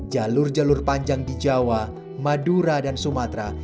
jalur jalur panjang di jawa madura dan sumatera